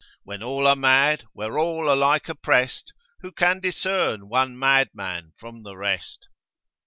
When all are mad, where all are like opprest Who can discern one mad man from the rest?